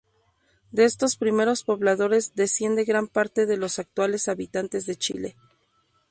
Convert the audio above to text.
De estos primeros pobladores desciende gran parte de los actuales habitantes de Chile.